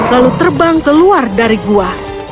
lalu terbang keluar dari gua